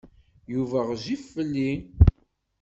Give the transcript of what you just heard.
Yuba ɣezzif fell-i.